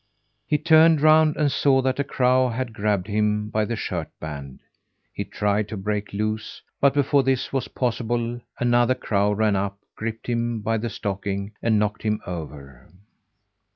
He turned round and saw that a crow had grabbed him by the shirt band. He tried to break loose, but before this was possible, another crow ran up, gripped him by the stocking, and knocked him over.